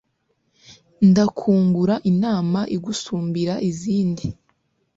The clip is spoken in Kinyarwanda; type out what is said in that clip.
ndakungura inama igusumbira izindi